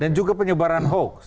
dan juga penyebaran hoax